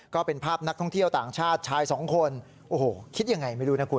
ก็เป็นภาพนักท่องเที่ยวต่างชาติชายสองคนโอ้โหคิดยังไงไม่รู้นะคุณ